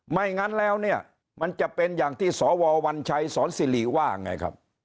ไม่งั้นแล้วเนี่ยมันจะเป็นอย่างที่สววัญชัยสอนสิริว่าไงครับ